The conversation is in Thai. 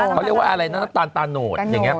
เขาเรียกว่าอะไรน้ำตาลตาโนด